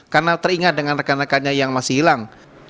karena teringat dengan rekan rekannya yang masih hilang